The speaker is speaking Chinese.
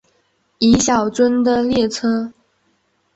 去小樽的列车